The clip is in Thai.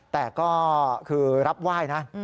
แต่ก็คือรับไหว้นะ